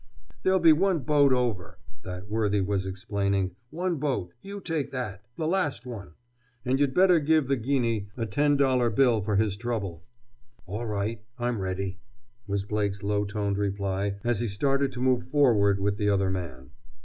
"There'll be one boat over," that worthy was explaining. "One boat—you take that—the last one! And you'd better give the guinney a ten dollar bill for his trouble!" "All right! I'm ready!" was Blake's low toned reply as he started to move forward with the other man.